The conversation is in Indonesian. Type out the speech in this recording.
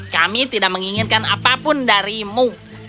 kami tidak menginginkan apapun darimu